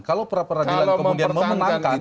kalau peradilan kemudian memenangkan